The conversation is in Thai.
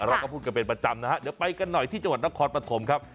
เราก็พูดกันเป็นประจำนะฮะเดี๋ยวไปกันหน่อยที่จังหวัดนครปฐมครับ